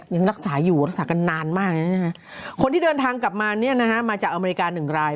ยังรักษาอยู่รักษากันนานมากคนที่เดินทางกลับมาเนี่ยนะฮะมาจากอเมริกา๑ราย